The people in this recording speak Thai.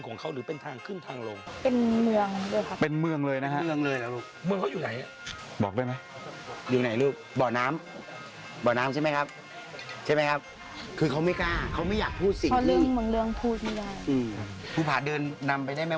ขอประจำเลยครับ๙๐ได้